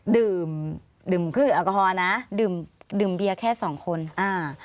ดื่มดื่มคืออากาศนะดื่มเบียร์แค่สองคนอ่า